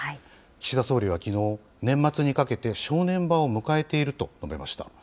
岸田総理はきのう、年末にかけて正念場を迎えていると述べました。